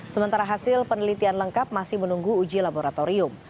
sementara hasil penelitian lengkap masih menunggu uji laboratorium